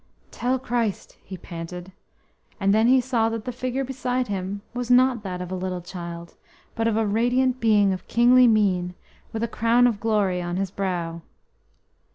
"Tell Christ–" he panted. And then he saw that the figure beside him was not that of a little child, but of a radiant Being of kingly mien, with a crown of glory on His brow.